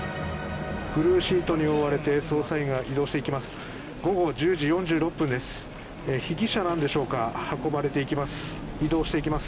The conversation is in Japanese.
ブルーシートに覆われて捜査員が移動していきます。